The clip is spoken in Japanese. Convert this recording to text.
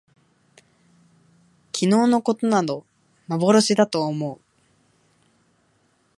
昨日きのうのことなど幻まぼろしだと思おもおう